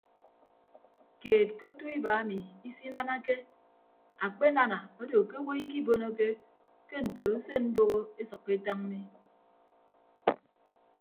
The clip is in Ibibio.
Keed ke otu iba emi isinanake akpenana odo ke owo ikibonoke ke ntoro usen mboho esʌkkọ etañ mi.